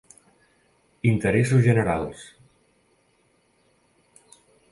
Interessos generals.